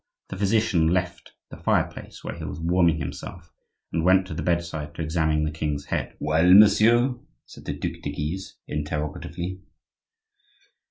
The physician left the fireplace where he was warming himself, and went to the bedside to examine the king's head. "Well, monsieur?" said the Duc de Guise, interrogatively.